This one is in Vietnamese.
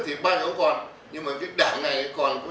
nhưng mà cái đảng này còn giữ vai trò lãnh đạo hay không nữa